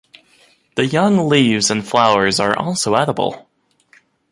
The young leaves and flowers are also edible.